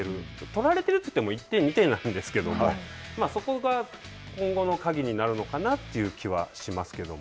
取られているといっても、１点２点なんですけれども、そこが今後の鍵になるのかなという気はしますけども。